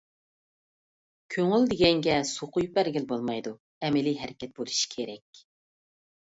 كۆڭۈل دېگەنگە سۇ قۇيۇپ بەرگىلى بولمايدۇ، ئەمەلىي ھەرىكەت بولۇشى كېرەك.